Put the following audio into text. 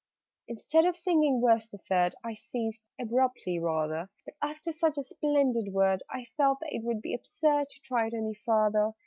_' Instead of singing Verse the Third, I ceased abruptly, rather: But, after such a splendid word, I felt that it would be absurd To try it any farther.